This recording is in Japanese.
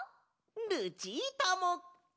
ルチータも！